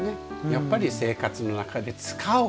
やっぱり生活の中で使おう。